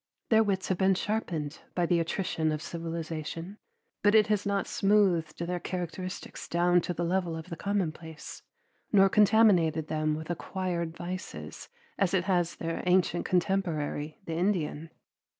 Their wits have been sharpened by the attrition of civilization, but it has not smoothed their characteristics down to the level of the commonplace, nor contaminated them with acquired vices as it has their ancient contemporary, the Indian.